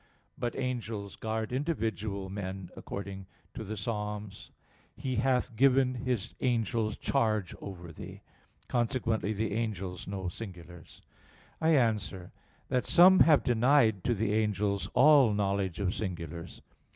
But angels guard individual men, according to Ps. 90:11: "He hath given His angels charge over Thee." Consequently the angels know singulars. I answer that, Some have denied to the angels all knowledge of singulars.